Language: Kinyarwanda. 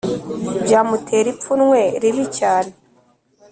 byamutera ipfunwe ribi cyane